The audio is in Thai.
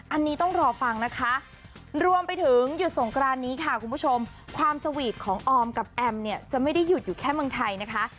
อันนี้ต้องรอฟังนะคะรวมไปถึงหยุดสงกรานนี้ค่ะคุณผู้ชมความสวีทของออมกับแอมเนี่ยจะไม่ได้หยุดอยู่แค่เมืองไทยนะคะ